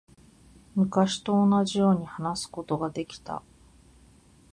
昔と同じように話すことができた。